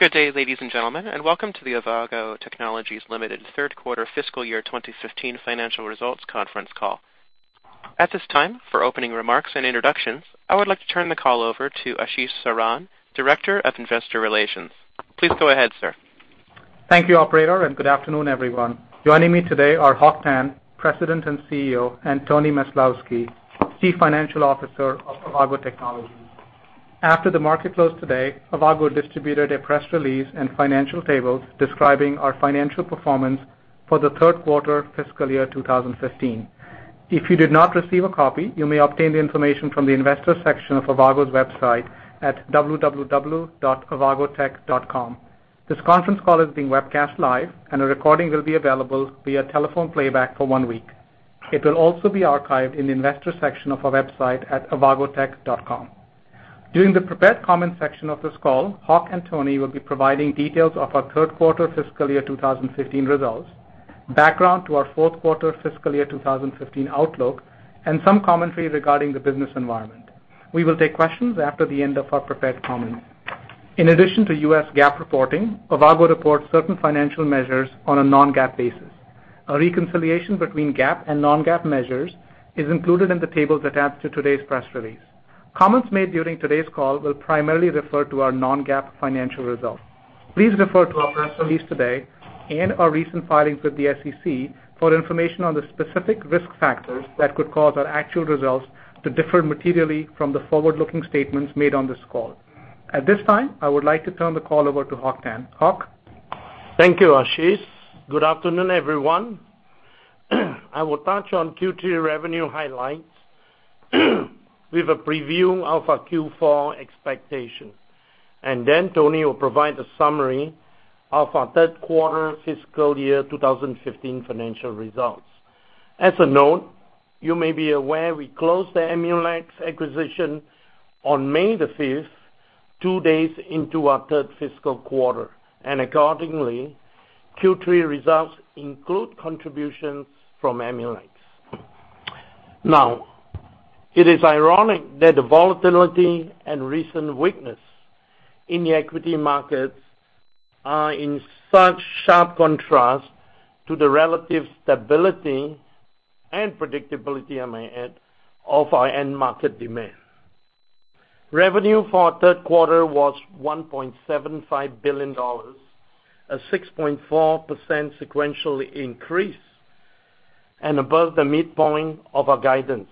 Good day, ladies and gentlemen, and welcome to the Avago Technologies Limited third quarter fiscal year 2015 financial results conference call. At this time, for opening remarks and introductions, I would like to turn the call over to Ashish Saran, Director of Investor Relations. Please go ahead, sir. Thank you, operator, and good afternoon, everyone. Joining me today are Hock Tan, President and CEO, and Anthony Maslowski, Chief Financial Officer of Avago Technologies. After the market closed today, Avago distributed a press release and financial tables describing our financial performance for the third quarter fiscal year 2015. If you did not receive a copy, you may obtain the information from the investors section of Avago's website at www.avagotech.com. This conference call is being webcast live, and a recording will be available via telephone playback for one week. It will also be archived in the investor section of our website at avagotech.com. During the prepared comment section of this call, Hock and Tony will be providing details of our third quarter fiscal year 2015 results, background to our fourth quarter fiscal year 2015 outlook, and some commentary regarding the business environment. We will take questions after the end of our prepared comments. In addition to US GAAP reporting, Avago reports certain financial measures on a non-GAAP basis. A reconciliation between GAAP and non-GAAP measures is included in the tables attached to today's press release. Comments made during today's call will primarily refer to our non-GAAP financial results. Please refer to our press release today and our recent filings with the SEC for information on the specific risk factors that could cause our actual results to differ materially from the forward-looking statements made on this call. At this time, I would like to turn the call over to Hock Tan. Hock? Thank you, Ashish. Good afternoon, everyone. I will touch on Q3 revenue highlights with a preview of our Q4 expectations. Tony will provide a summary of our third quarter fiscal year 2015 financial results. As a note, you may be aware we closed the Emulex acquisition on May the 5th, two days into our third fiscal quarter, and accordingly, Q3 results include contributions from Emulex. It is ironic that the volatility and recent weakness in the equity markets are in such sharp contrast to the relative stability and predictability, I may add, of our end market demand. Revenue for our third quarter was $1.75 billion, a 6.4% sequential increase, and above the midpoint of our guidance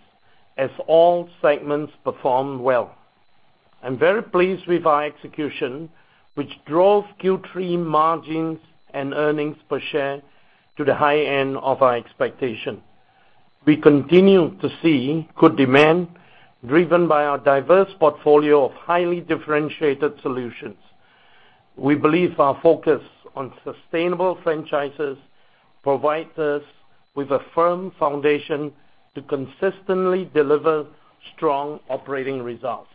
as all segments performed well. I'm very pleased with our execution, which drove Q3 margins and earnings per share to the high end of our expectation. We continue to see good demand driven by our diverse portfolio of highly differentiated solutions. We believe our focus on sustainable franchises provides us with a firm foundation to consistently deliver strong operating results.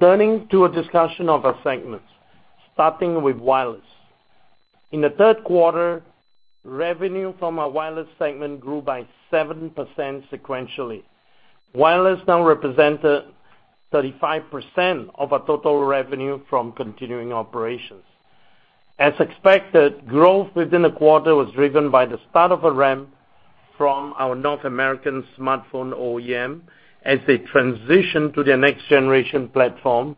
Turning to a discussion of our segments, starting with wireless. In the third quarter, revenue from our wireless segment grew by 7% sequentially. Wireless now represented 35% of our total revenue from continuing operations. As expected, growth within the quarter was driven by the start of a ramp from our North American smartphone OEM as they transition to their next generation platform,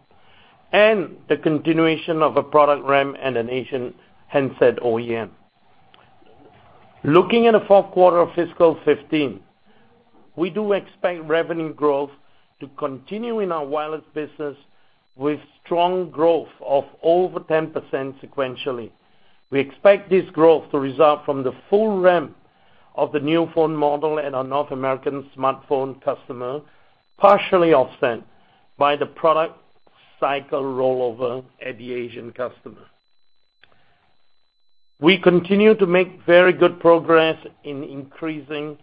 and the continuation of a product ramp at an Asian handset OEM. Looking at the fourth quarter of fiscal 2015, we do expect revenue growth to continue in our wireless business with strong growth of over 10% sequentially. We expect this growth to result from the full ramp of the new phone model at our North American smartphone customer, partially offset by the product cycle rollover at the Asian customer. We continue to make very good progress in increasing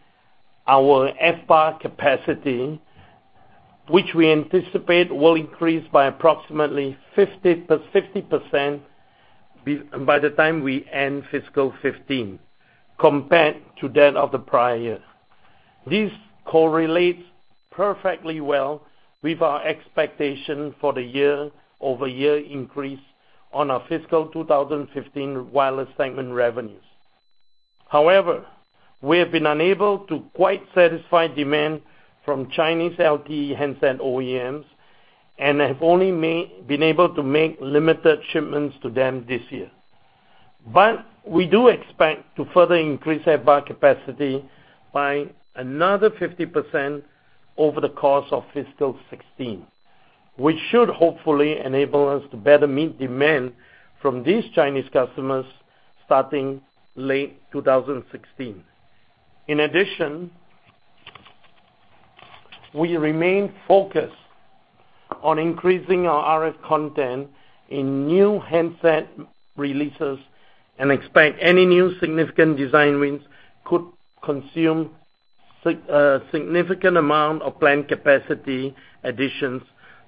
our FBAR capacity, which we anticipate will increase by approximately 50% by the time we end fiscal 2015 compared to that of the prior year. This correlates perfectly well with our expectation for the year-over-year increase on our fiscal 2015 wireless segment revenues. We have been unable to quite satisfy demand from Chinese LTE handset OEMs and have only been able to make limited shipments to them this year. We do expect to further increase FBAR capacity by another 50% over the course of fiscal 2016, which should hopefully enable us to better meet demand from these Chinese customers starting late 2016. In addition, we remain focused on increasing our RF content in new handset releases and expect any new significant design wins could consume a significant amount of planned capacity additions,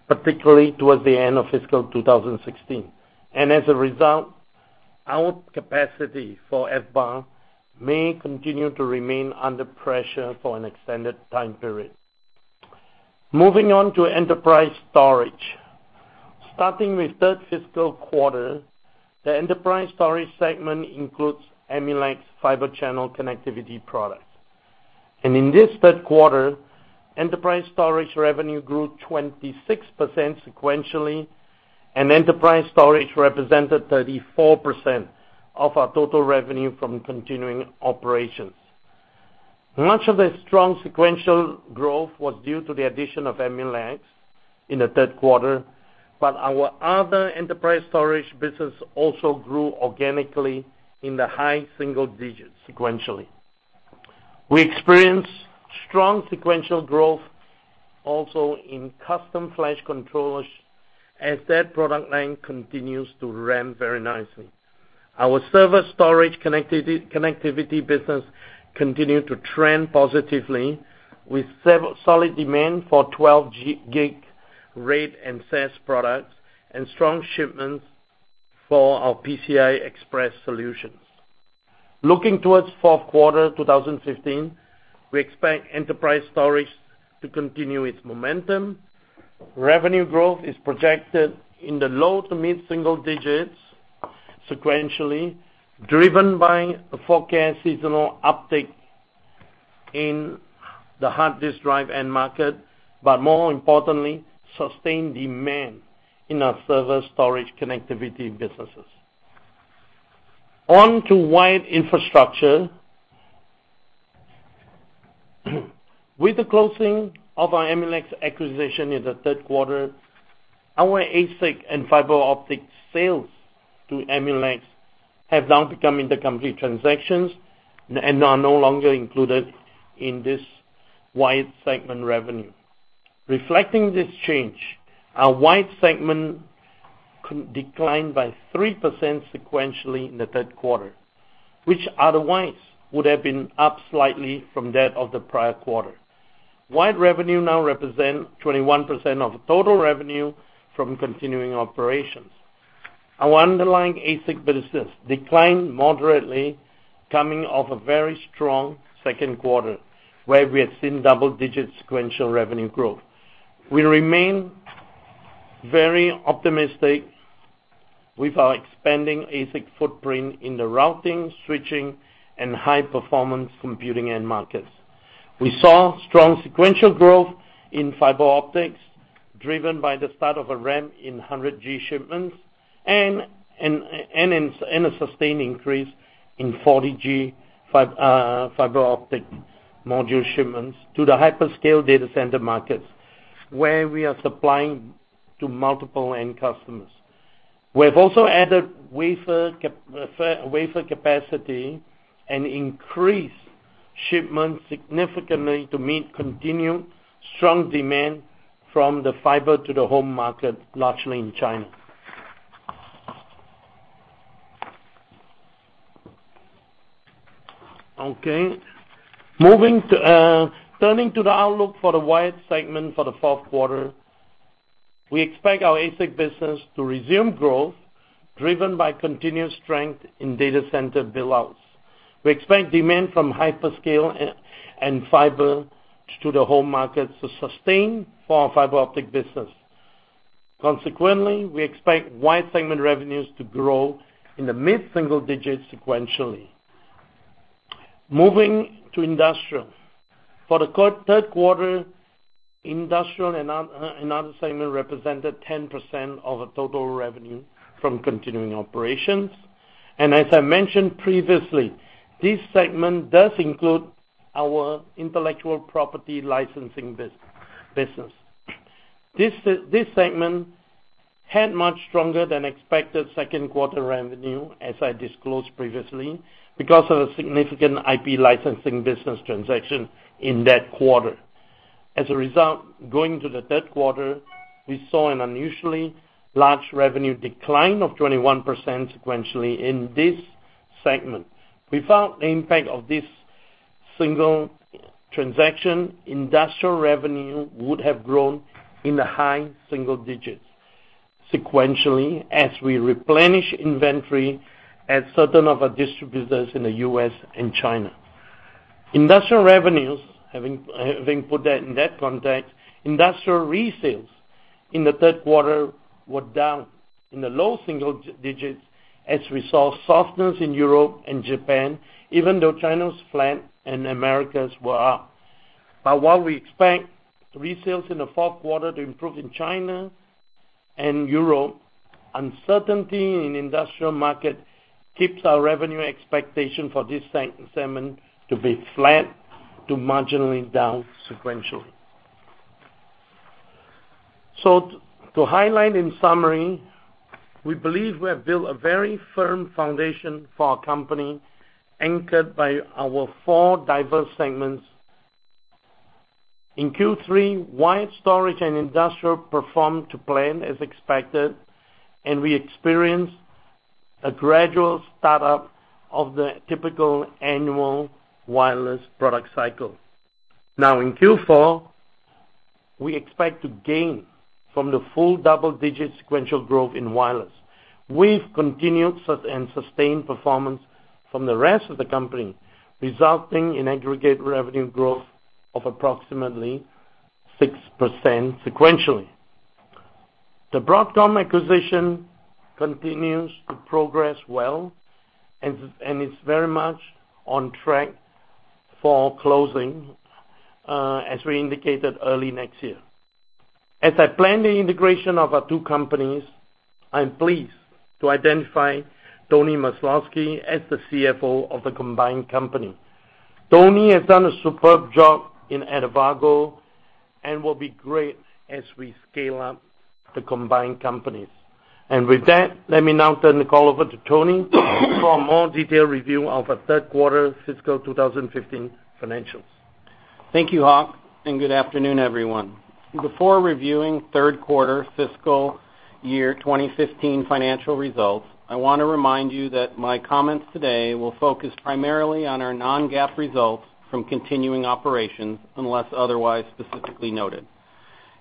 particularly towards the end of fiscal 2016. As a result, our capacity for FBAR may continue to remain under pressure for an extended time period. Moving on to enterprise storage. Starting with third fiscal quarter, the enterprise storage segment includes Emulex Fibre Channel connectivity products. In this third quarter, enterprise storage revenue grew 26% sequentially, and enterprise storage represented 34% of our total revenue from continuing operations. Much of the strong sequential growth was due to the addition of Emulex in the third quarter, but our other enterprise storage business also grew organically in the high single digits sequentially. We experienced strong sequential growth also in custom flash controllers, as that product line continues to ramp very nicely. Our server storage connectivity business continued to trend positively with solid demand for 12G RAID and SAS products and strong shipments for our PCI Express solutions. Looking towards fourth quarter 2015, we expect enterprise storage to continue its momentum. Revenue growth is projected in the low to mid-single digits sequentially, driven by a forecast seasonal uptick in the hard disk drive end market, but more importantly, sustained demand in our server storage connectivity businesses. On to wired infrastructure. With the closing of our Emulex acquisition in the third quarter, our ASIC and fiber optic sales to Emulex have now become intercompany transactions and are no longer included in this wired segment revenue. Reflecting this change, our wired segment declined by 3% sequentially in the third quarter, which otherwise would have been up slightly from that of the prior quarter. Wired revenue now represents 21% of total revenue from continuing operations. Our underlying ASIC business declined moderately coming off a very strong second quarter, where we had seen double-digit sequential revenue growth. We remain very optimistic with our expanding ASIC footprint in the routing, switching, and high-performance computing end markets. We saw strong sequential growth in fiber optics, driven by the start of a ramp in 100G shipments and a sustained increase in 40G fiber optic module shipments to the hyperscale data center markets, where we are supplying to multiple end customers. We have also added wafer capacity and increased shipments significantly to meet continued strong demand from the fiber to the home market, largely in China. Turning to the outlook for the wired segment for the fourth quarter. We expect our ASIC business to resume growth, driven by continued strength in data center build-outs. We expect demand from hyperscale and fiber to the home markets to sustain for our fiber optic business. Consequently, we expect wired segment revenues to grow in the mid-single digits sequentially. Moving to industrial. For the third quarter, industrial and other segment represented 10% of the total revenue from continuing operations. As I mentioned previously, this segment does include our intellectual property licensing business. This segment had much stronger than expected second quarter revenue, as I disclosed previously, because of a significant IP licensing business transaction in that quarter. As a result, going to the third quarter, we saw an unusually large revenue decline of 21% sequentially in this segment. Without the impact of this single transaction, industrial revenue would have grown in the high single digits sequentially as we replenish inventory at certain of our distributors in the U.S. and China. Industrial revenues, having put that in that context, industrial resales in the third quarter were down in the low single digits as we saw softness in Europe and Japan, even though China was flat and Americas were up. While we expect resales in the fourth quarter to improve in China and Europe, uncertainty in industrial market keeps our revenue expectation for this segment to be flat to marginally down sequentially. To highlight in summary, we believe we have built a very firm foundation for our company, anchored by our four diverse segments. In Q3, wired, storage, and industrial performed to plan as expected, and we experienced a gradual startup of the typical annual wireless product cycle. In Q4, we expect to gain from the full double-digit sequential growth in wireless with continued and sustained performance from the rest of the company, resulting in aggregate revenue growth of approximately 6% sequentially. The Broadcom acquisition continues to progress well and is very much on track for closing, as we indicated, early next year. As I plan the integration of our two companies, I'm pleased to identify Tony Maslowski as the CFO of the combined company. Tony has done a superb job in Avago Technologies and will be great as we scale up the combined companies. With that, let me now turn the call over to Tony for a more detailed review of our third quarter fiscal 2015 financials. Thank you, Hock, and good afternoon, everyone. Before reviewing third quarter fiscal year 2015 financial results, I want to remind you that my comments today will focus primarily on our non-GAAP results from continuing operations unless otherwise specifically noted.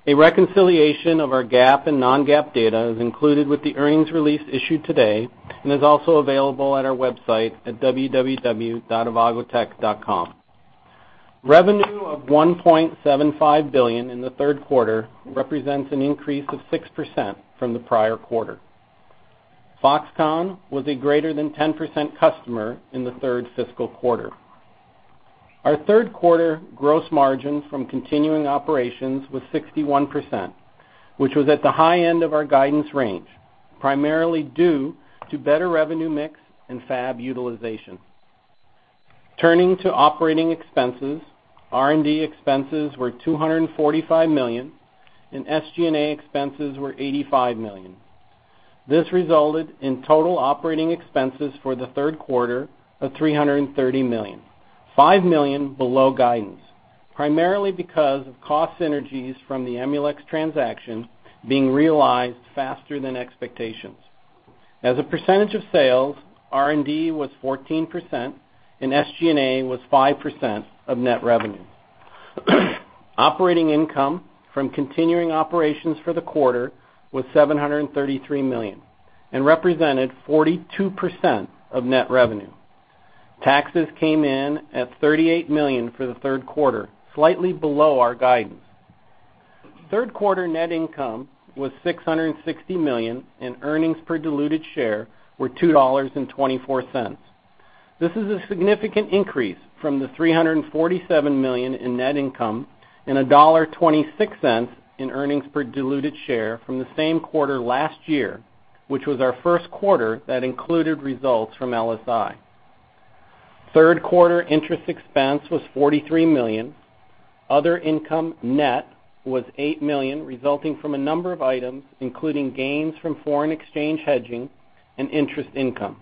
A reconciliation of our GAAP and non-GAAP data is included with the earnings release issued today and is also available at our website at www.avagotech.com. Revenue of $1.75 billion in the third quarter represents an increase of 6% from the prior quarter. Foxconn was a greater than 10% customer in the third fiscal quarter. Our third quarter gross margin from continuing operations was 61%, which was at the high end of our guidance range, primarily due to better revenue mix and fab utilization. Turning to operating expenses, R&D expenses were $245 million, and SG&A expenses were $85 million. This resulted in total operating expenses for the third quarter of $330 million, $5 million below guidance, primarily because of cost synergies from the Emulex transaction being realized faster than expectations. As a percentage of sales, R&D was 14%, and SG&A was 5% of net revenue. Operating income from continuing operations for the quarter was $733 million and represented 42% of net revenue. Taxes came in at $38 million for the third quarter, slightly below our guidance. Third-quarter net income was $660 million, and earnings per diluted share were $2.24. This is a significant increase from the $347 million in net income and $1.26 in earnings per diluted share from the same quarter last year, which was our first quarter that included results from LSI. Third-quarter interest expense was $43 million. Other income net was $8 million, resulting from a number of items, including gains from foreign exchange hedging and interest income.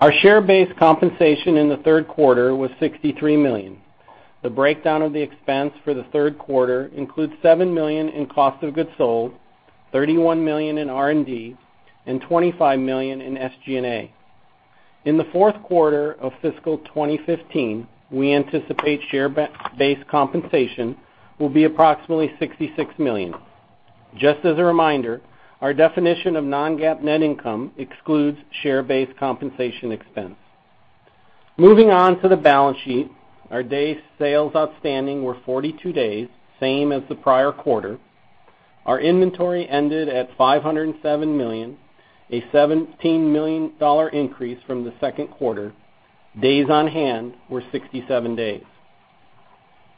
Our share-based compensation in the third quarter was $63 million. The breakdown of the expense for the third quarter includes $7 million in cost of goods sold, $31 million in R&D, and $25 million in SG&A. In the fourth quarter of fiscal 2015, we anticipate share-based compensation will be approximately $66 million. Just as a reminder, our definition of non-GAAP net income excludes share-based compensation expense. Moving on to the balance sheet. Our day sales outstanding were 42 days, same as the prior quarter. Our inventory ended at $507 million, a $17 million increase from the second quarter. Days on hand were 67 days.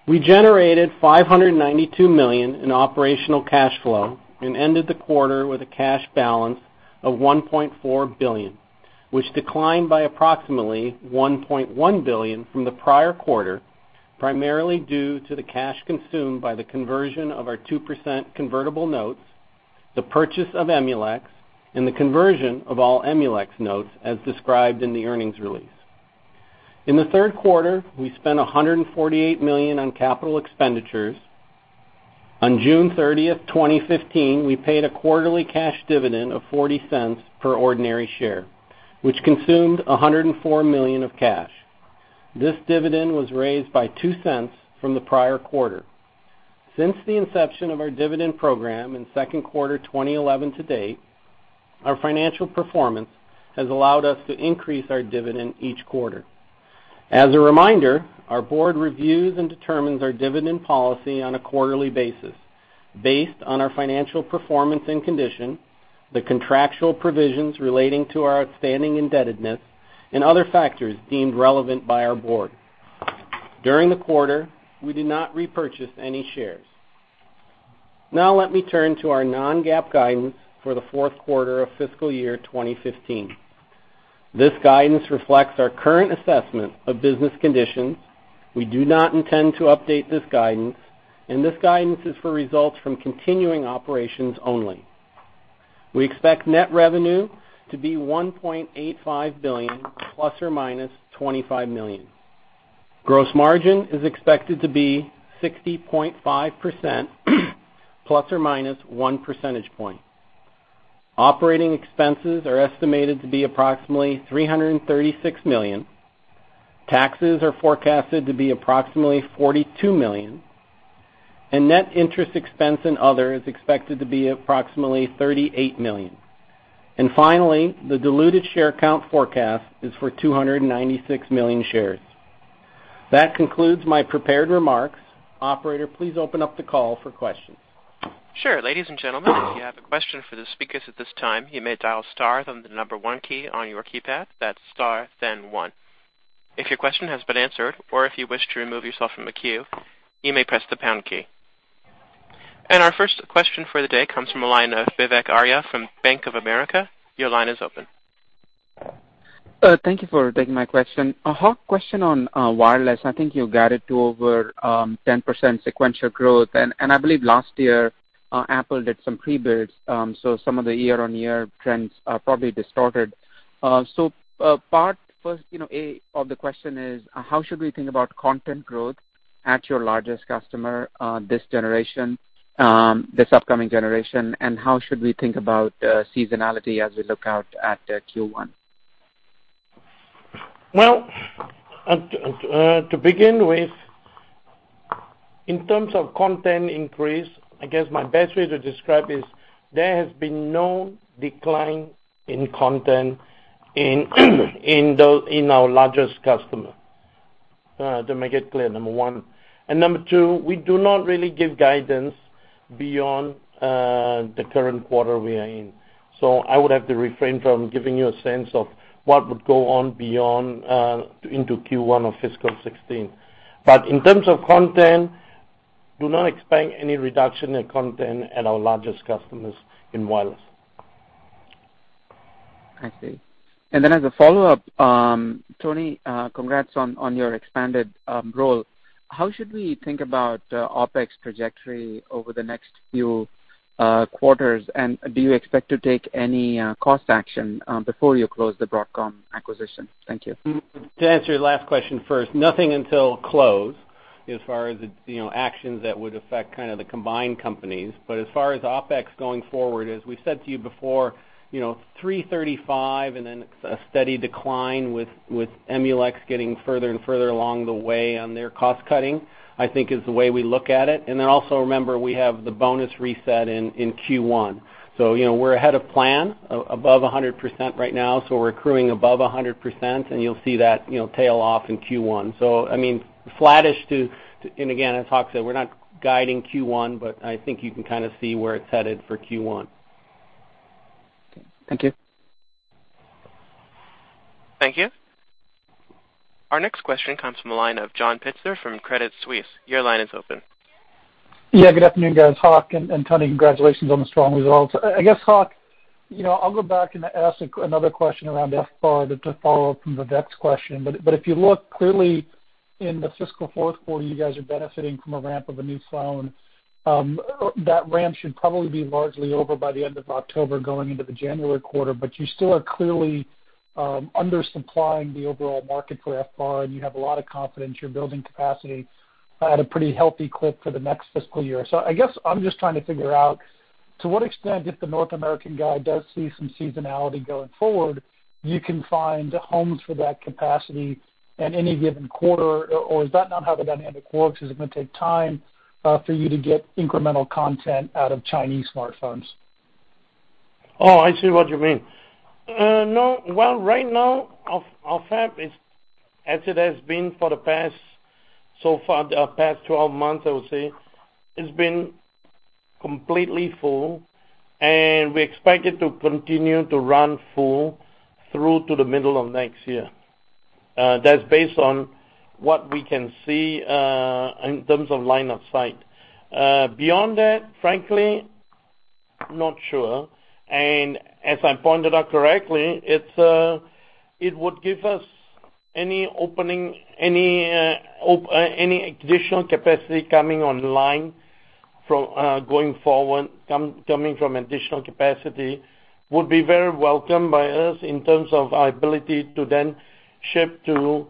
We generated $592 million in operational cash flow and ended the quarter with a cash balance of $1.4 billion, which declined by approximately $1.1 billion from the prior quarter, primarily due to the cash consumed by the conversion of our 2% convertible notes, the purchase of Emulex, and the conversion of all Emulex notes, as described in the earnings release. In the third quarter, we spent $148 million on capital expenditures. On June 30th, 2015, we paid a quarterly cash dividend of $0.40 per ordinary share, which consumed $104 million of cash. This dividend was raised by $0.02 from the prior quarter. Since the inception of our dividend program in the second quarter of 2011 to date, our financial performance has allowed us to increase our dividend each quarter. As a reminder, our board reviews and determines our dividend policy on a quarterly basis based on our financial performance and condition, the contractual provisions relating to our outstanding indebtedness, and other factors deemed relevant by our board. During the quarter, we did not repurchase any shares. Let me turn to our non-GAAP guidance for the fourth quarter of fiscal year 2015. This guidance reflects our current assessment of business conditions. We do not intend to update this guidance, and this guidance is for results from continuing operations only. We expect net revenue to be $1.85 billion ± $25 million. Gross margin is expected to be 60.5% ± one percentage point. Operating expenses are estimated to be approximately $336 million. Taxes are forecasted to be approximately $42 million, Net interest expense and other is expected to be approximately $38 million. Finally, the diluted share count forecast is for 296 million shares. That concludes my prepared remarks. Operator, please open up the call for questions. Sure. Ladies and gentlemen, if you have a question for the speakers at this time, you may dial star then the number one key on your keypad. That's star, then one. If your question has been answered, or if you wish to remove yourself from a queue, you may press the pound key. Our first question for the day comes from the line of Vivek Arya from Bank of America. Your line is open. Thank you for taking my question. A hard question on wireless. I think you guided to over 10% sequential growth. I believe last year, Apple did some pre-builds, so some of the year-on-year trends are probably distorted. Part first A of the question is, how should we think about content growth at your largest customer this upcoming generation, and how should we think about seasonality as we look out at Q1? Well, to begin with, in terms of content increase, I guess my best way to describe is there has been no decline in content in our largest customer. To make it clear, number one. Number 2, we do not really give guidance beyond the current quarter we are in. I would have to refrain from giving you a sense of what would go on beyond into Q1 of fiscal 2016. In terms of content, do not expect any reduction in content at our largest customers in wireless. I see. As a follow-up, Tony, congrats on your expanded role. How should we think about OpEx trajectory over the next few quarters? Do you expect to take any cost action before you close the Broadcom acquisition? Thank you. To answer your last question first, nothing until close as far as actions that would affect the combined companies. As far as OpEx going forward, as we said to you before, 335 and then a steady decline with Emulex getting further and further along the way on their cost-cutting, I think is the way we look at it. Also remember, we have the bonus reset in Q1. We're ahead of plan, above 100% right now. We're accruing above 100%, and you'll see that tail off in Q1. Flattish to, again, as Hock said, we're not guiding Q1, I think you can kind of see where it's headed for Q1. Thank you. Thank you. Our next question comes from the line of John Pitzer from Credit Suisse. Your line is open. Yeah, good afternoon, guys. Hock and Tony, congratulations on the strong results. I guess, Hock, I'll go back and ask another question around FBAR to follow up from Vivek's question. If you look clearly in the fiscal fourth quarter, you guys are benefiting from a ramp of a new phone. That ramp should probably be largely over by the end of October going into the January quarter. You still are clearly under-supplying the overall market for FBAR, and you have a lot of confidence you're building capacity at a pretty healthy clip for the next fiscal year. I guess I'm just trying to figure out, to what extent, if the North American guy does see some seasonality going forward, you can find homes for that capacity at any given quarter, or is that not how the dynamic works? Is it going to take time for you to get incremental content out of Chinese smartphones? Oh, I see what you mean. No. Well, right now, our fab, as it has been so far the past 12 months, I would say, it's been completely full, and we expect it to continue to run full through to the middle of next year. That's based on what we can see in terms of line of sight. Beyond that, frankly, not sure. As I pointed out correctly, it would give us any additional capacity coming online going forward, coming from additional capacity would be very welcome by us in terms of our ability to then ship to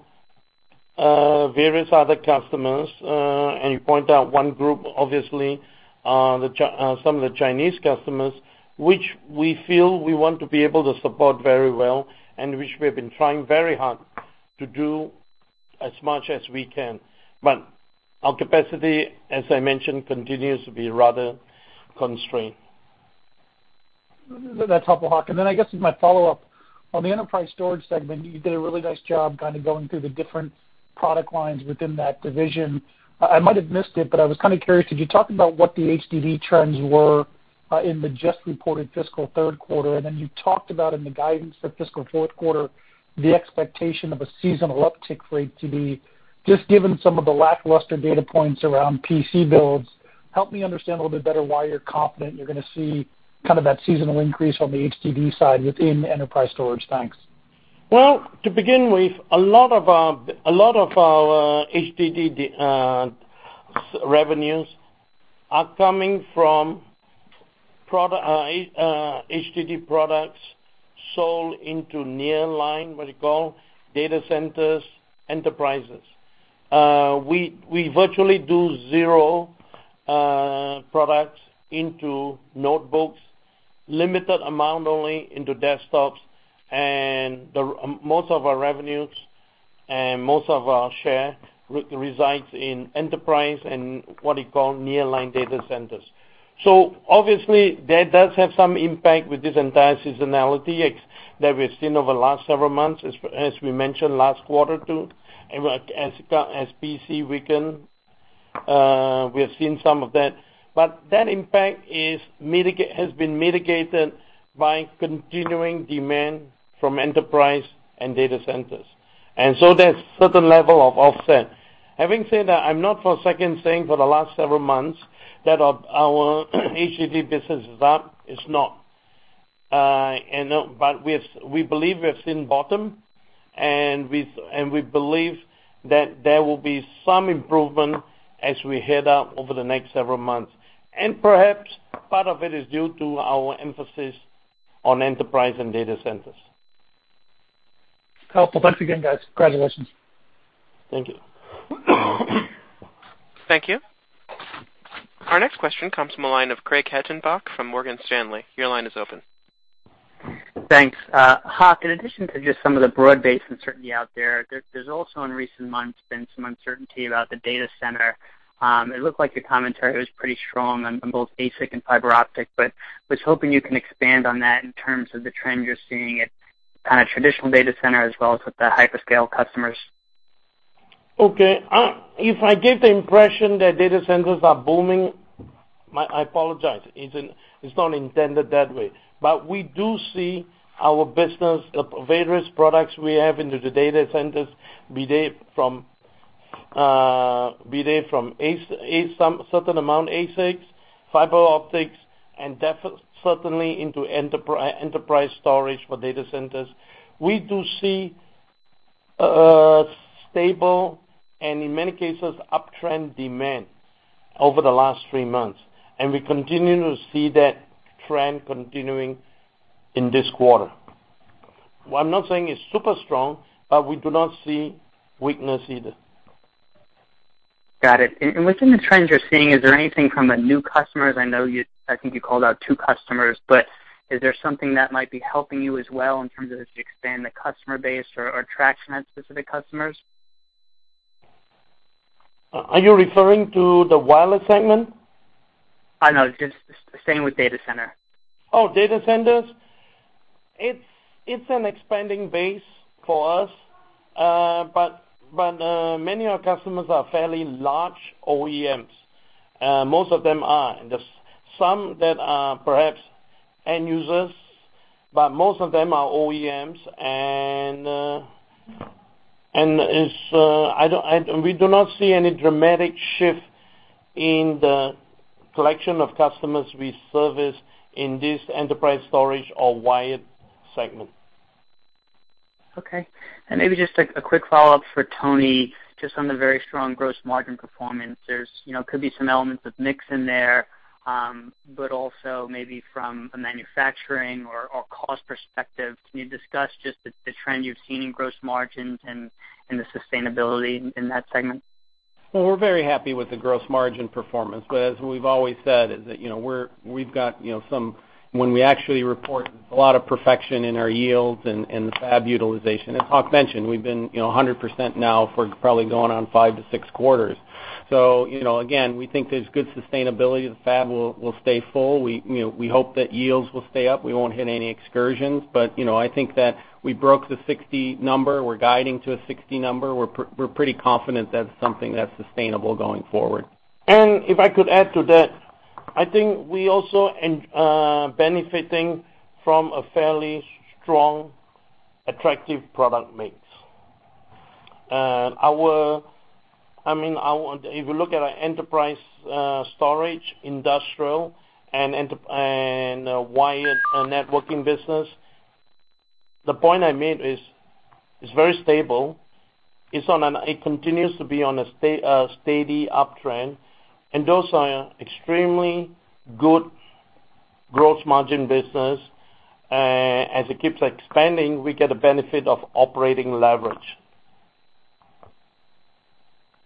various other customers. You point out one group, obviously, some of the Chinese customers, which we feel we want to be able to support very well, and which we have been trying very hard to do as much as we can. Our capacity, as I mentioned, continues to be rather constrained. That's helpful, Hock. I guess as my follow-up, on the enterprise storage segment, you did a really nice job kind of going through the different product lines within that division. I might have missed it, but I was kind of curious, could you talk about what the HDD trends were in the just reported fiscal third quarter? You talked about in the guidance for fiscal fourth quarter, the expectation of a seasonal uptick for HDD. Just given some of the lackluster data points around PC builds, help me understand a little bit better why you're confident you're going to see that seasonal increase on the HDD side within enterprise storage. Thanks. To begin with, a lot of our HDD revenues are coming from HDD products Sold into nearline, what you call data centers, enterprises. We virtually do zero products into notebooks, limited amount only into desktops, and most of our revenues and most of our share resides in enterprise and what you call nearline data centers. Obviously, that does have some impact with this entire seasonality that we've seen over the last several months. We mentioned last quarter too, as PC weakened, we have seen some of that. That impact has been mitigated by continuing demand from enterprise and data centers. There's certain level of offset. Having said that, I'm not for a second saying for the last several months that our HDD business is up, it's not. We believe we have seen bottom, and we believe that there will be some improvement as we head up over the next several months, and perhaps part of it is due to our emphasis on enterprise and data centers. Helpful. Thanks again, guys. Congratulations. Thank you. Thank you. Our next question comes from the line of Craig Hettenbach from Morgan Stanley. Your line is open. Thanks. Hock, in addition to just some of the broad-based uncertainty out there's also in recent months been some uncertainty about the data center. It looked like your commentary was pretty strong on both ASIC and fiber optic, but was hoping you can expand on that in terms of the trend you're seeing at kind of traditional data center as well as with the hyperscale customers. Okay. If I gave the impression that data centers are booming, I apologize. It's not intended that way. We do see our business, the various products we have into the data centers, be they from a certain amount ASICs, fiber optics, and definitely into enterprise storage for data centers. We do see a stable, and in many cases, uptrend demand over the last three months, and we continue to see that trend continuing in this quarter. I'm not saying it's super strong, but we do not see weakness either. Got it. Within the trends you're seeing, is there anything from a new customers? I think you called out two customers, is there something that might be helping you as well in terms of as you expand the customer base or traction at specific customers? Are you referring to the wireless segment? No, just staying with data center. Data centers. It's an expanding base for us. Many of our customers are fairly large OEMs. Most of them are. There's some that are perhaps end users, but most of them are OEMs. We do not see any dramatic shift in the collection of customers we service in this enterprise storage or wired segment. Okay. Maybe just a quick follow-up for Tony, just on the very strong gross margin performance. There could be some elements of mix in there, also maybe from a manufacturing or cost perspective. Can you discuss just the trend you've seen in gross margins and the sustainability in that segment? Well, we're very happy with the gross margin performance. As we've always said is that when we actually report, a lot of perfection in our yields and the fab utilization. As Hock mentioned, we've been 100% now for probably going on five to six quarters. Again, we think there's good sustainability. The fab will stay full. We hope that yields will stay up. We won't hit any excursions, but I think that we broke the 60 number. We're guiding to a 60 number. We're pretty confident that's something that's sustainable going forward. If I could add to that, I think we also are benefiting from a fairly strong, attractive product mix. If you look at our enterprise storage, industrial, and wired networking business, the point I made is very stable. It continues to be on a steady uptrend. Those are extremely good gross margin business. As it keeps expanding, we get the benefit of operating leverage.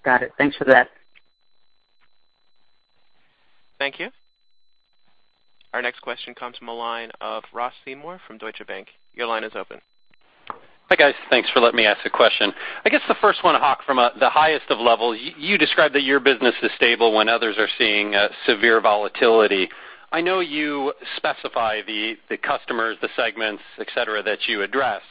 Got it. Thanks for that. Thank you. Our next question comes from the line of Ross Seymore from Deutsche Bank. Your line is open. Hi, guys. Thanks for letting me ask a question. I guess the first one, Hock, from the highest of levels, you described that your business is stable when others are seeing severe volatility. I know you specify the customers, the segments, et cetera, that you address.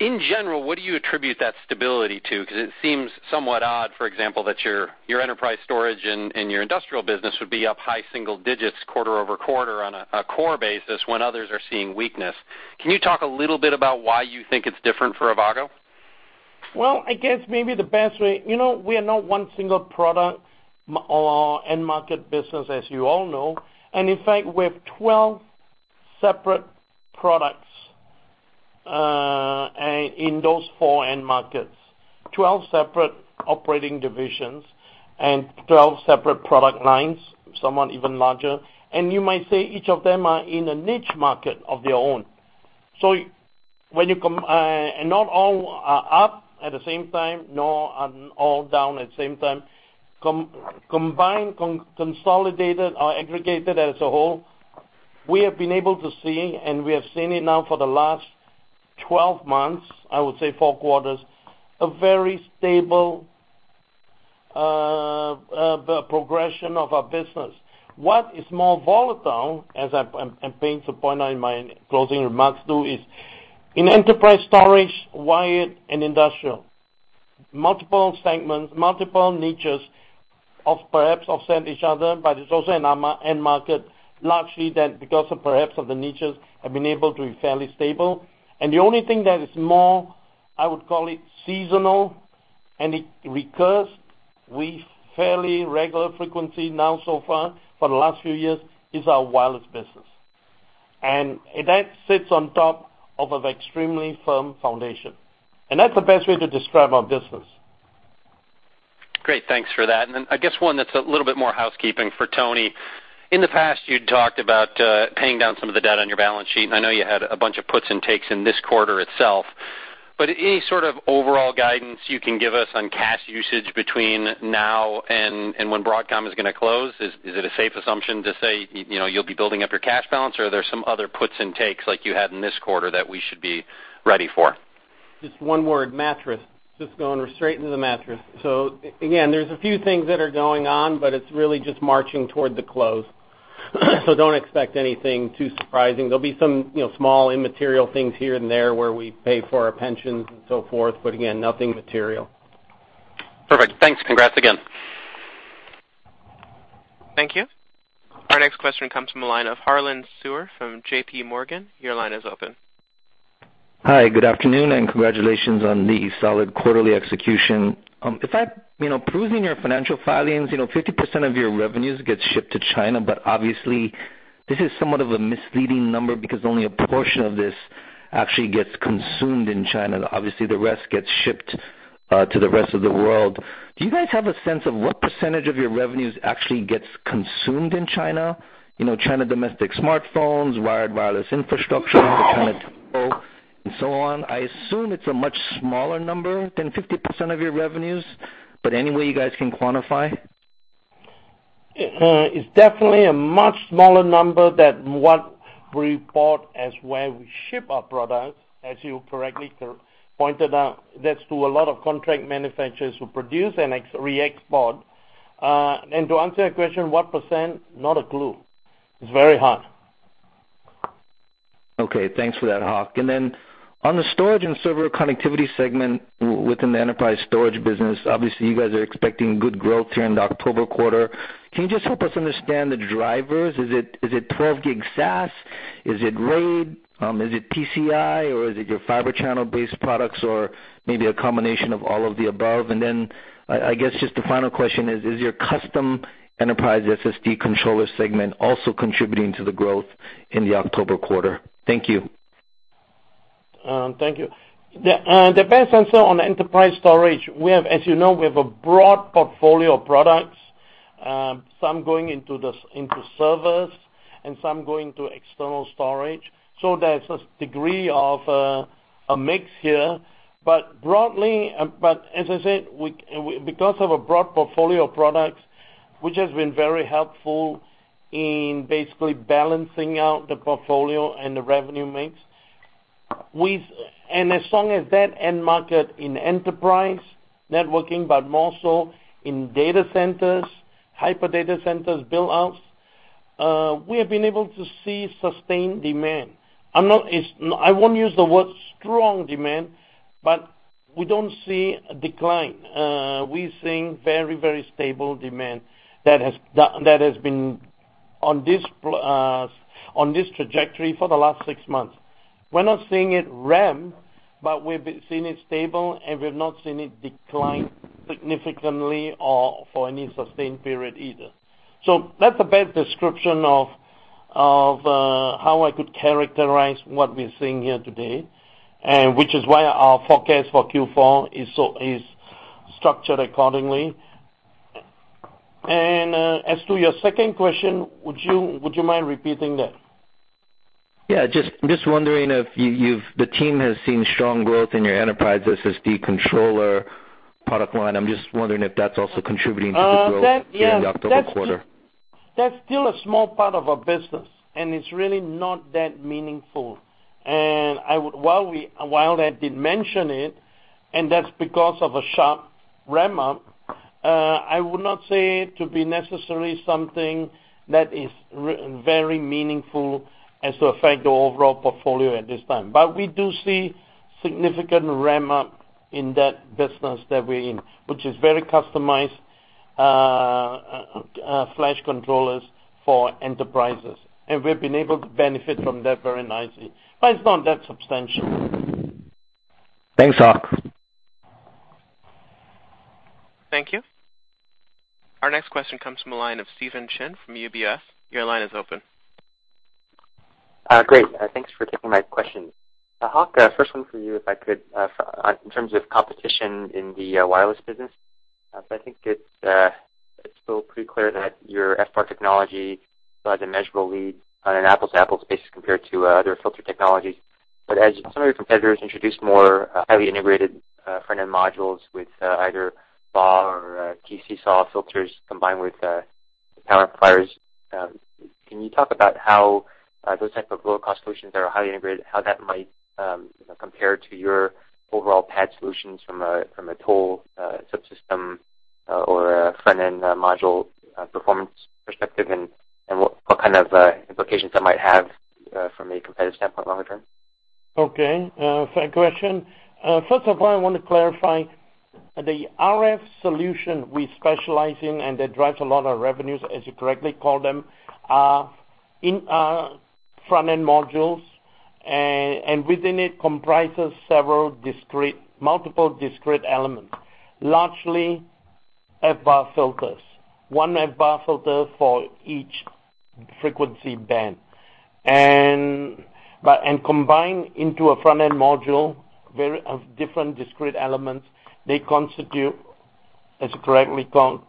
In general, what do you attribute that stability to? Because it seems somewhat odd, for example, that your enterprise storage and your industrial business would be up high single digits quarter-over-quarter on a core basis when others are seeing weakness. Can you talk a little bit about why you think it's different for Avago? Well, I guess maybe the best way, we are not one single product or end market business, as you all know. In fact, we have 12 separate products in those four end markets, 12 separate operating divisions and 12 separate product lines, somewhat even larger. You might say each of them are in a niche market of their own. Not all are up at the same time, nor are all down at the same time. Combined, consolidated, or aggregated as a whole, we have been able to see, and we have seen it now for the last 12 months, I would say four quarters, a very stable progression of our business. What is more volatile, as I'm paying to point out in my closing remarks too, is in enterprise storage, wired and industrial. Multiple segments, multiple niches, perhaps offset each other, but it's also in our end market largely that because of perhaps of the niches have been able to be fairly stable. The only thing that is more, I would call it seasonal, and it recurs with fairly regular frequency now so far for the last few years, is our wireless business. That sits on top of an extremely firm foundation. That's the best way to describe our business. Great. Thanks for that. I guess one that's a little bit more housekeeping for Tony. In the past, you'd talked about paying down some of the debt on your balance sheet, and I know you had a bunch of puts and takes in this quarter itself, but any sort of overall guidance you can give us on cash usage between now and when Broadcom is going to close? Is it a safe assumption to say you'll be building up your cash balance, or are there some other puts and takes like you had in this quarter that we should be ready for? Just one word, mattress. Just going straight into the mattress. Again, there's a few things that are going on, but it's really just marching toward the close. Don't expect anything too surprising. There'll be some small immaterial things here and there where we pay for our pensions and so forth, but again, nothing material. Perfect. Thanks. Congrats again. Thank you. Our next question comes from the line of Harlan Sur from JP Morgan. Your line is open. Hi, good afternoon, congratulations on the solid quarterly execution. Perusing your financial filings, 50% of your revenues get shipped to China, but obviously this is somewhat of a misleading number because only a portion of this actually gets consumed in China. Obviously, the rest gets shipped to the rest of the world. Do you guys have a sense of what percentage of your revenues actually gets consumed in China? China domestic smartphones, wired wireless infrastructure, China Telecom, and so on. I assume it's a much smaller number than 50% of your revenues, but any way you guys can quantify? It's definitely a much smaller number than what we report as where we ship our products, as you correctly pointed out. That's to a lot of contract manufacturers who produce and re-export. To answer your question, what %? Not a clue. It's very hard. Okay. Thanks for that, Hock. On the storage and server connectivity segment within the enterprise storage business, obviously, you guys are expecting good growth here in the October quarter. Can you just help us understand the drivers? Is it 12 gig SAS? Is it RAID? Is it PCI, or is it your Fibre Channel-based products or maybe a combination of all of the above? I guess just a final question is your custom enterprise SSD controller segment also contributing to the growth in the October quarter? Thank you. Thank you. The best answer on enterprise storage, as you know, we have a broad portfolio of products, some going into servers and some going to external storage. There's a degree of a mix here. As I said, because of a broad portfolio of products, which has been very helpful in basically balancing out the portfolio and the revenue mix, as long as that end market in enterprise networking, but more so in data centers, hyper data centers build outs, we have been able to see sustained demand. I won't use the word strong demand, but we don't see a decline. We're seeing very stable demand that has been on this trajectory for the last six months. We're not seeing it ramp, but we've been seeing it stable, and we've not seen it decline significantly or for any sustained period either. That's the best description of how I could characterize what we're seeing here today, and which is why our forecast for Q4 is structured accordingly. As to your second question, would you mind repeating that? Yeah, just wondering if the team has seen strong growth in your enterprise SSD controller product line. I'm just wondering if that's also contributing to the growth in the October quarter. That's still a small part of our business, and it's really not that meaningful. While I did mention it, and that's because of a sharp ramp up, I would not say it to be necessarily something that is very meaningful as to affect the overall portfolio at this time. We do see significant ramp up in that business that we're in, which is very customized flash controllers for enterprises. We've been able to benefit from that very nicely. It's not that substantial. Thanks, Hock Thank you. Our next question comes from the line of Stephen Chin from UBS. Your line is open. Great. Thanks for taking my question. Hock, first one for you, if I could, in terms of competition in the wireless business. I think it's still pretty clear that your FBAR technology has a measurable lead on an apples-to-apples basis compared to other filter technologies. As some of your competitors introduce more highly integrated front-end modules with either BAW or TC SAW filters combined with power amplifiers, can you talk about how those type of low-cost solutions that are highly integrated, how that might compare to your overall PAD solutions from a total subsystem or a front-end module performance perspective, and what kind of implications that might have from a competitive standpoint longer term? Okay. Fair question. First of all, I want to clarify the RF solution we specialize in and that drives a lot of revenues, as you correctly call them, are in front-end modules, and within it comprises several multiple discrete elements, largely FBAR filters. One FBAR filter for each frequency band. Combined into a front-end module of different discrete elements, they constitute, as you correctly call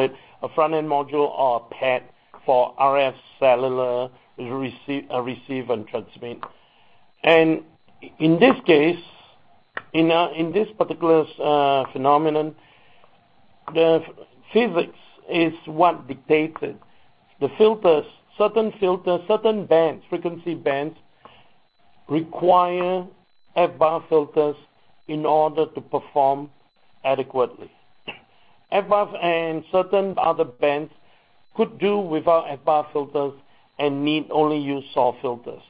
it, a front-end module or a PAD for RF cellular receive and transmit. In this case, in this particular phenomenon, the physics is what dictated. The filters, certain bands, frequency bands, require FBAR filters in order to perform adequately. FBAR and certain other bands could do without FBAR filters and only use SAW filters.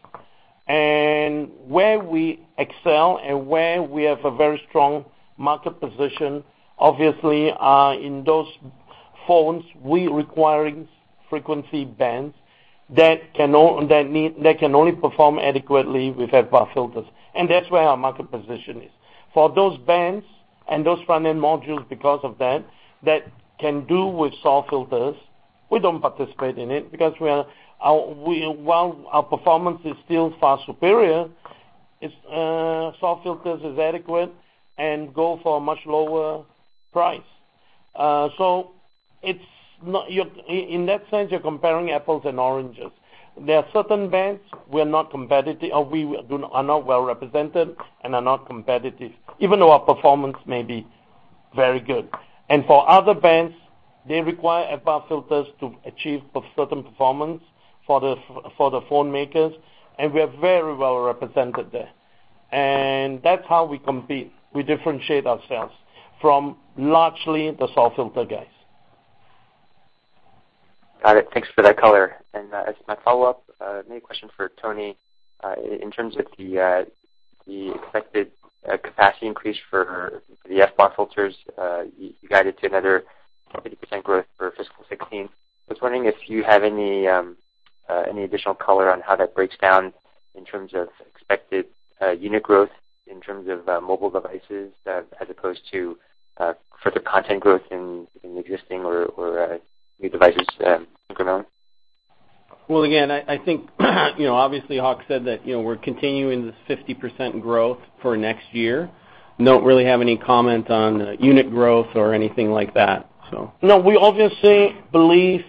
Where we excel and where we have a very strong market position, obviously, are in those phones requiring frequency bands that can only perform adequately with FBAR filters. That's where our market position is. For those bands and those front-end modules because of that can do with SAW filters, we don't participate in it because while our performance is still far superior, SAW filters is adequate and go for a much lower price. In that sense, you're comparing apples and oranges. There are certain bands we are not well represented and are not competitive, even though our performance may be very good. For other bands, they require FBAR filters to achieve certain performance for the phone makers, and we are very well represented there. That's how we compete. We differentiate ourselves from largely the SAW filter guys. Got it. Thanks for that color. As my follow-up, maybe a question for Tony, in terms of the expected capacity increase for the FBAR filters, you guided to another 50% growth for fiscal 2016. I was wondering if you have any additional color on how that breaks down in terms of expected unit growth, in terms of mobile devices, as opposed to further content growth in existing or new devices incremental. Again, I think, obviously Hock said that we're continuing this 50% growth for next year. Don't really have any comment on unit growth or anything like that. We obviously believe,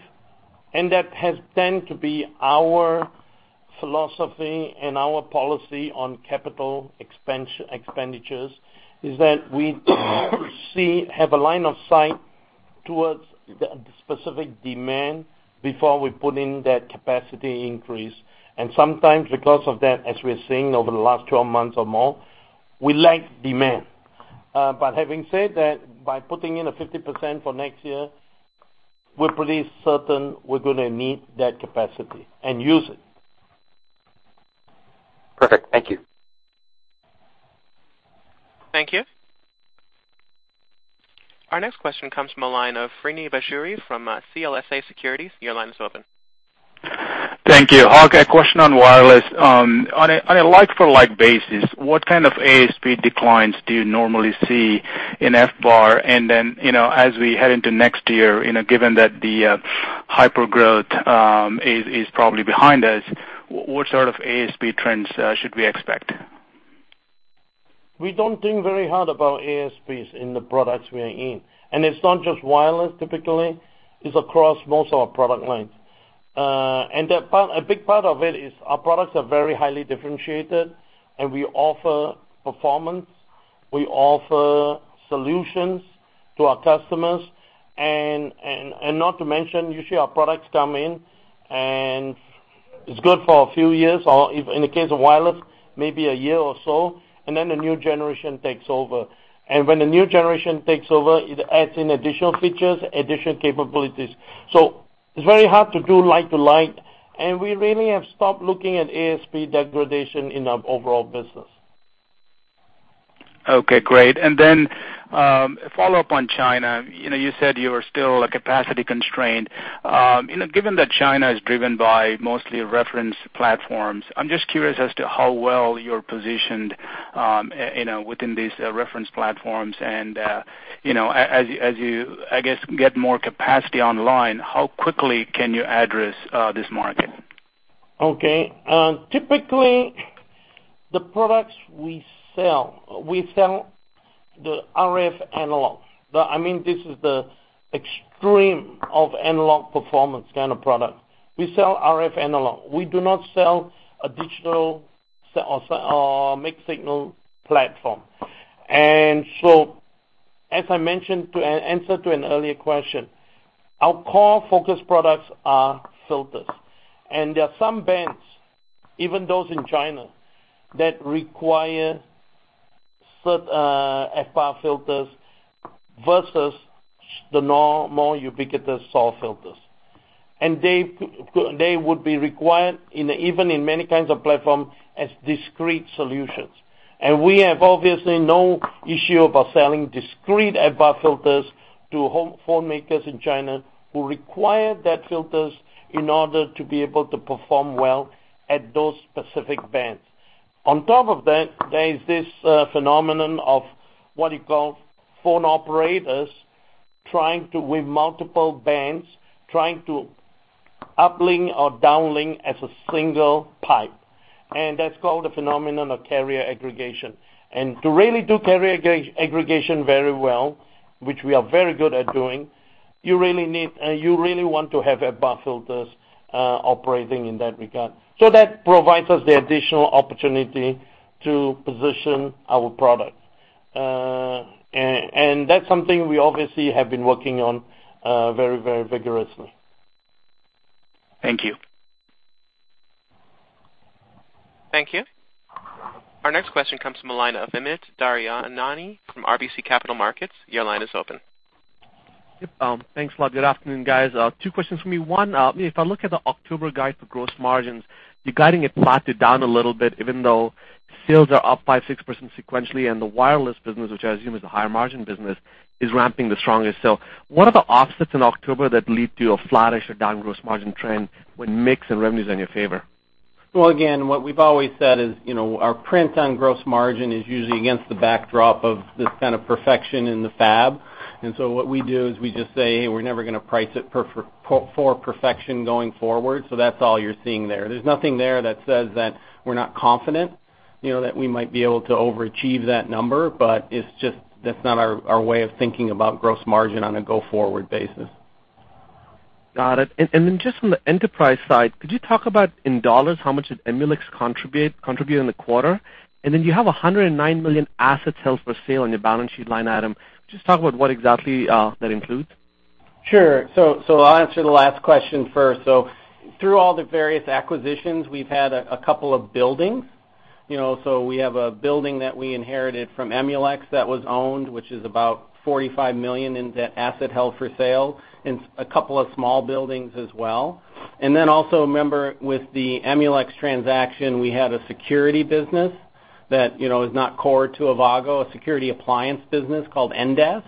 and that has tend to be our philosophy and our policy on capital expenditures, is that we have a line of sight towards the specific demand before we put in that capacity increase. Sometimes because of that, as we're seeing over the last 12 months or more, we lack demand. Having said that, by putting in a 50% for next year, we're pretty certain we're going to need that capacity and use it. Perfect. Thank you. Thank you. Our next question comes from a line of Srini Pajjuri from CLSA. Your line is open. Thank you. Hock, a question on wireless. On a like-for-like basis, what kind of ASP declines do you normally see in FBAR? As we head into next year, given that the hypergrowth is probably behind us, what sort of ASP trends should we expect? We don't think very hard about ASPs in the products we are in. It's not just wireless, typically, it's across most of our product lines. A big part of it is our products are very highly differentiated, and we offer performance, we offer solutions to our customers. Not to mention, usually our products come in and it's good for a few years or if in the case of wireless, maybe a year or so, then a new generation takes over. When a new generation takes over, it adds in additional features, additional capabilities. It's very hard to do like to like, and we really have stopped looking at ASP degradation in our overall business. Okay, great. A follow-up on China. You said you were still capacity constrained. Given that China is driven by mostly reference platforms, I am just curious as to how well you are positioned within these reference platforms. As you, I guess, get more capacity online, how quickly can you address this market? Okay. Typically, the products we sell, we sell the RF analog. This is the extreme of analog performance kind of product. We sell RF analog. We do not sell a digital or mixed signal platform. As I mentioned to answer to an earlier question, our core focus products are filters. There are some bands, even those in China, that require FBAR filters versus the more ubiquitous SAW filters. They would be required even in many kinds of platform as discrete solutions. We have obviously no issue about selling discrete FBAR filters to phone makers in China who require that filters in order to be able to perform well at those specific bands. On top of that, there is this phenomenon of what you call phone operators with multiple bands, trying to uplink or downlink as a single pipe. That is called a phenomenon of carrier aggregation. To really do carrier aggregation very well, which we are very good at doing, you really want to have FBAR filters operating in that regard. That provides us the additional opportunity to position our product. That is something we obviously have been working on very vigorously. Thank you. Thank you. Our next question comes from the line of Amit Daryanani from RBC Capital Markets. Your line is open. Yep. Thanks a lot. Good afternoon, guys. Two questions for me. One, if I look at the October guide for gross margins, you're guiding it flatted down a little bit, even though sales are up 5%-6% sequentially, and the wireless business, which I assume is a higher margin business, is ramping the strongest. What are the offsets in October that lead to a flattish or down gross margin trend when mix and revenues are in your favor? Well, again, what we've always said is, our print on gross margin is usually against the backdrop of this kind of perfection in the fab. What we do is we just say, "Hey, we're never going to price it for perfection going forward." That's all you're seeing there. There's nothing there that says that we're not confident, that we might be able to overachieve that number, but that's not our way of thinking about gross margin on a go-forward basis. Got it. Just from the enterprise side, could you talk about in dollars, how much did Emulex contribute in the quarter? Then you have $109 million asset sales for sale on your balance sheet line item. Just talk about what exactly that includes. I'll answer the last question first. Through all the various acquisitions, we've had a couple of buildings. We have a building that we inherited from Emulex that was owned, which is about $45 million in asset held for sale, and a couple of small buildings as well. Also remember with the Emulex transaction, we had a security business that is not core to Avago, a security appliance business called Endace,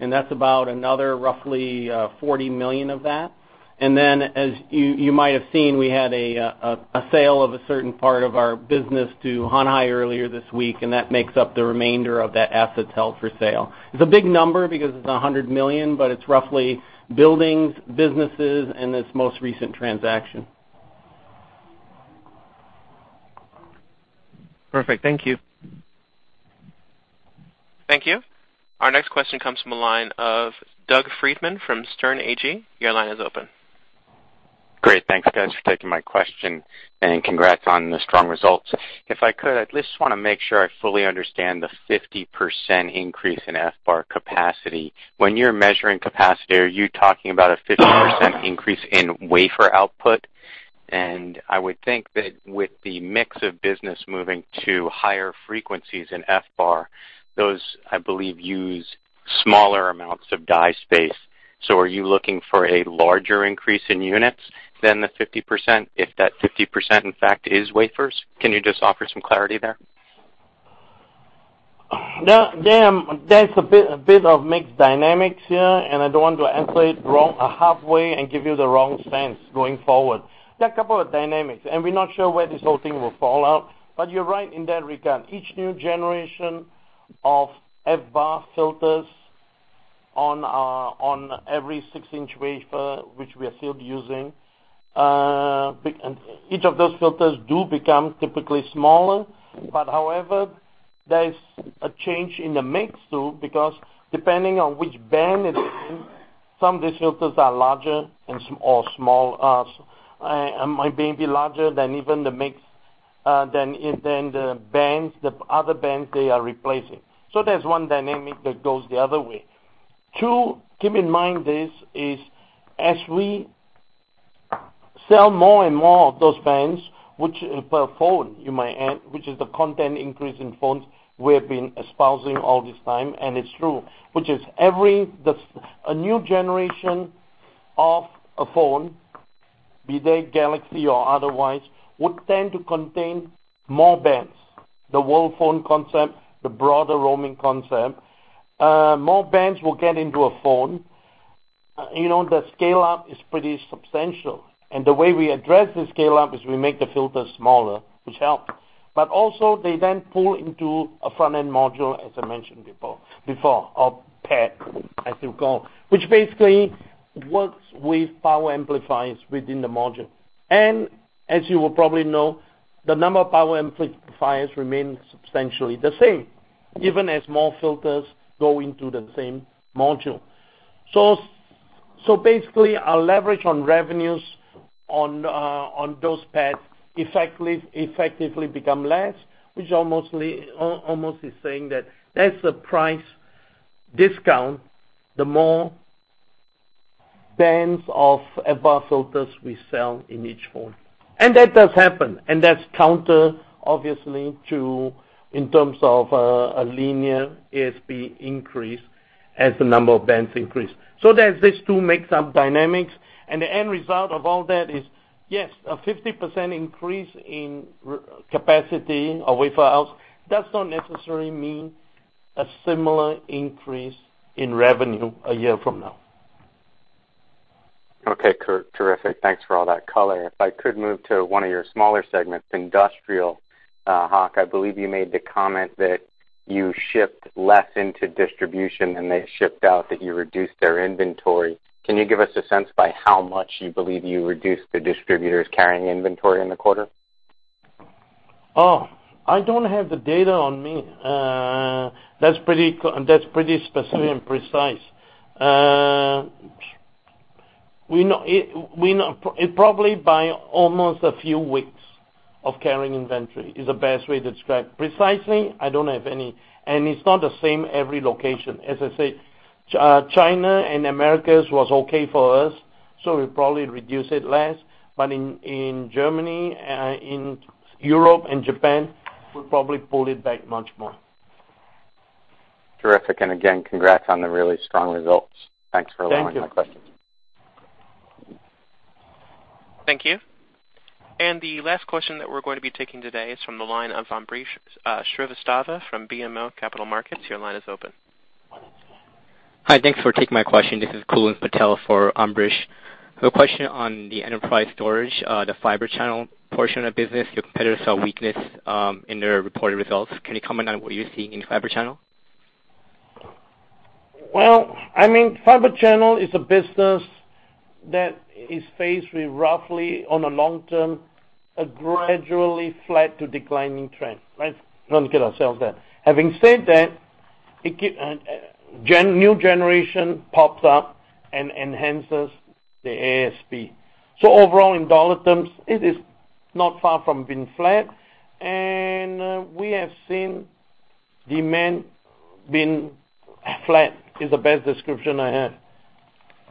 and that's about another roughly $40 million of that. As you might have seen, we had a sale of a certain part of our business to Hanhai earlier this week, and that makes up the remainder of that asset sale for sale. It's a big number because it's $100 million, but it's roughly buildings, businesses, and this most recent transaction. Perfect. Thank you. Thank you. Our next question comes from the line of Doug Freedman from Sterne Agee. Your line is open. Great. Thanks, guys for taking my question. Congrats on the strong results. I just want to make sure I fully understand the 50% increase in FBAR capacity. When you're measuring capacity, are you talking about a 50% increase in wafer output? I would think that with the mix of business moving to higher frequencies in FBAR, those, I believe, use smaller amounts of die space. Are you looking for a larger increase in units than the 50%, if that 50% in fact is wafers? Can you just offer some clarity there? There's a bit of mixed dynamics here, and I don't want to answer it wrong halfway and give you the wrong sense going forward. There are a couple of dynamics, and we're not sure where this whole thing will fall out, but you're right in that regard. Each new generation of FBAR filters on every six-inch wafer, which we are still using, each of those filters do become typically smaller. However, there's a change in the mix too, because depending on which band it is, some of these filters are larger or smaller. Might be larger than even the other bands they are replacing. There's one dynamic that goes the other way. Two, keep in mind this, is as we sell more and more of those bands, which per phone, you might add, which is the content increase in phones we have been espousing all this time, and it's true, which is a new generation of a phone Be they Galaxy or otherwise, would tend to contain more bands. The world phone concept, the broader roaming concept, more bands will get into a phone. The scale-up is pretty substantial. The way we address the scale-up is we make the filters smaller, which helps. Also they then pull into a front-end module, as I mentioned before, or PAD, as you call, which basically works with power amplifiers within the module. As you will probably know, the number of power amplifiers remains substantially the same, even as more filters go into the same module. Basically, our leverage on revenues on those PADs effectively become less, which almost is saying that that's the price discount, the more bands of FBAR filters we sell in each phone. That does happen, and that's counter, obviously, in terms of a linear ASP increase as the number of bands increase. There's these two mix-up dynamics, and the end result of all that is, yes, a 50% increase in capacity of wafer outs does not necessarily mean a similar increase in revenue a year from now. Okay, terrific. Thanks for all that color. If I could move to one of your smaller segments, industrial. Hock, I believe you made the comment that you shipped less into distribution than they shipped out, that you reduced their inventory. Can you give us a sense by how much you believe you reduced the distributors' carrying inventory in the quarter? Oh, I don't have the data on me. That's pretty specific and precise. Probably by almost a few weeks of carrying inventory, is the best way to describe. Precisely, I don't have any, and it's not the same every location. As I said, China and Americas was okay for us, so we probably reduce it less. In Germany, in Europe, and Japan, we probably pull it back much more. Terrific. Again, congrats on the really strong results. Thanks for allowing my question. Thank you. Thank you. The last question that we're going to be taking today is from the line of Ambrish Srivastava from BMO Capital Markets. Your line is open. Hi, thanks for taking my question. This is Kulwant Patel for Ambrish. A question on the enterprise storage, the Fibre Channel portion of the business. Your competitors saw weakness in their reported results. Can you comment on what you're seeing in Fibre Channel? Well, Fibre Channel is a business that is faced with roughly, on a long term, a gradually flat to declining trend. Let's get ourselves there. Having said that, new generation pops up and enhances the ASP. Overall, in dollar terms, it is not far from being flat, and we have seen demand being flat, is the best description I have.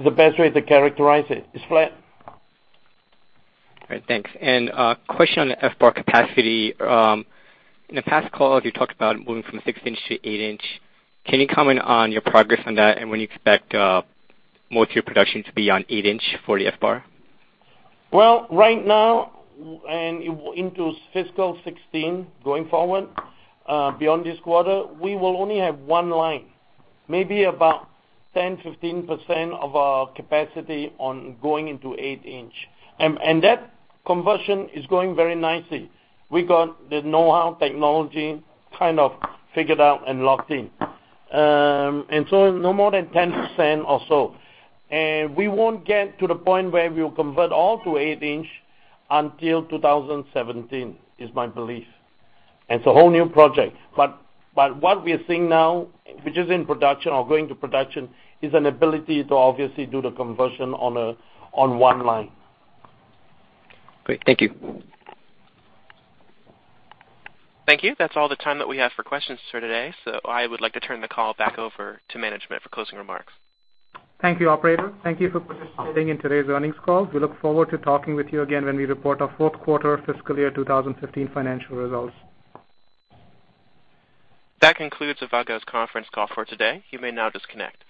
The best way to characterize it's flat. All right. Thanks. A question on the FBAR capacity. In a past call, you talked about moving from six inch to eight inch. Can you comment on your progress on that and when you expect most of your production to be on eight inch for the FBAR? Well, right now and into fiscal 2016 going forward, beyond this quarter, we will only have one line, maybe about 10%-15% of our capacity on going into eight inch. That conversion is going very nicely. We got the knowhow technology kind of figured out and locked in. No more than 10% or so. We won't get to the point where we'll convert all to eight inch until 2017, is my belief. It's a whole new project. What we are seeing now, which is in production or going to production, is an ability to obviously do the conversion on one line. Great. Thank you. Thank you. That's all the time that we have for questions for today. I would like to turn the call back over to management for closing remarks. Thank you, operator. Thank you for participating in today's earnings call. We look forward to talking with you again when we report our fourth quarter fiscal year 2015 financial results. That concludes Avago's conference call for today. You may now disconnect.